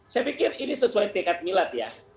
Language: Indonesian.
saya pikir ini sesuai tekad milad ya